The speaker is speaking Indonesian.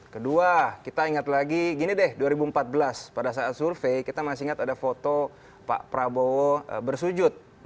kedua kita ingat lagi gini deh dua ribu empat belas pada saat survei kita masih ingat ada foto pak prabowo bersujud